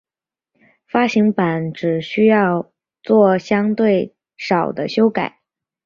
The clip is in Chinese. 发行版只需要作相对少的修改。